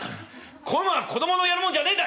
こういうのは子供のやるもんじゃねんだ」。